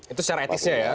itu secara etisnya ya